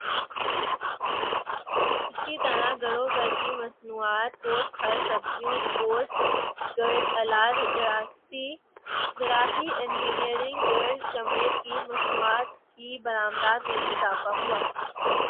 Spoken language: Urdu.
اسی طرح گڑ و گڑ کی مصنوعات گوشت پھل وسبزیوں اسپورٹس گڈز آلات جراحی انجینئرنگ گڈز چمڑے کی مصنوعات کی برآمدات میں بھی اضافہ ہوا